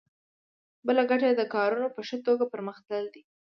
بله ګټه یې د کارونو په ښه توګه پرمخ تلل دي.